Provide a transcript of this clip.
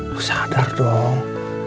lu sadar dong